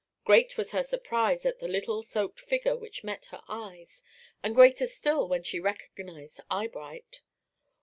Great was her surprise at the little soaked figure which met her eyes, and greater still when she recognized Eyebright.